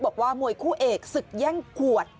บอกว่ามวยคู่เอกศึกแย่งขวด